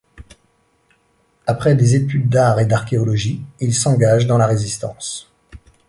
Après des études d'art et d'archéologie, il s'engage dans la Résistance.